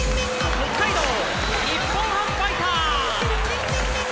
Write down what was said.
北海道日本ハムファイターズ！